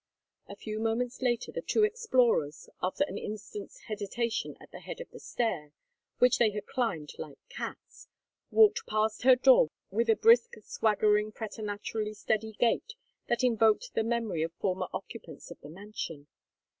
A few moments later the two explorers, after an instant's hesitation at the head of the stair which they had climbed like cats walked past her door with a brisk swaggering preternaturally steady gait that invoked the memory of former occupants of the mansion.